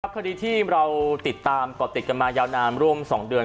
คดีที่เราติดตามก่อติดกันมายาวนานร่วม๒เดือน